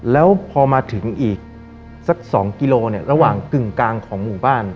แล้วพอมาถึงอีกสัก๒กิโลระหว่างกึ่งกลางของหมู่บ้าน